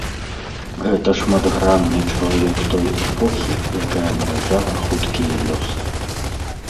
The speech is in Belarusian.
Гэта шматгранны чалавек той эпохі, якая нараджала хуткія лёсы.